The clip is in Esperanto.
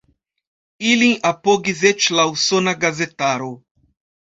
Ilin apogis eĉ la usona gazetaro.